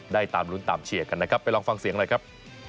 ตามรุ้นตามเชียร์กันนะครับไปลองฟังเสียงหน่อยครับ